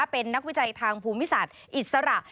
เป็นนักวิจัยทางภูมิศาสตร์อิสระ